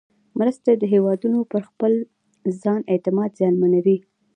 مرستې د هېوادونو پر خپل ځان اعتماد زیانمنوي.